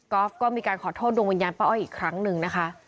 ก็มีการขอโทษดวงวิญญาณป้าอ้อยอีกครั้งหนึ่งนะคะ